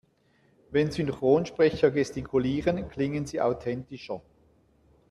Wenn Synchronsprecher gestikulieren, klingen sie authentischer.